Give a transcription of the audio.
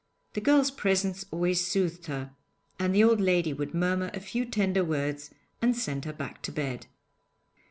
The girl's presence always soothed her, and the old lady would murmur a few tender words and send her back to bed.